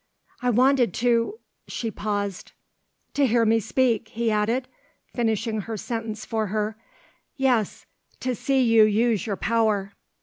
"I wanted to " She paused. "To hear me speak," he added, finishing her sentence for her. "Yes; to see you use your power."